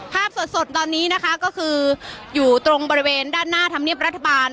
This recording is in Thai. ภาพสดตอนนี้นะคะก็คืออยู่ตรงบริเวณด้านหน้าธรรมเนียบรัฐบาล